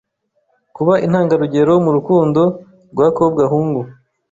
kuba intangarugero mu rukundo rwa kobwa-hungu